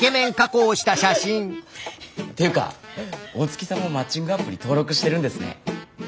っていうか大月さんもマッチングアプリ登録してるんですね。